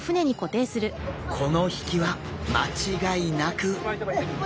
この引きは間違いなく！